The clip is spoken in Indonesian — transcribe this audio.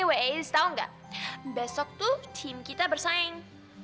weis tau nggak besok tuh tim kita bersaing